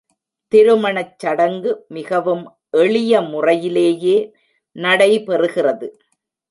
திருமணச் சடங்கு மிகவும் எளிய முறையிலேயே நடைபெறுகிறது.